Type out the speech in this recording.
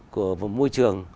của vùng môi trường